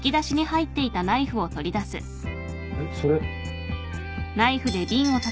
えっそれ。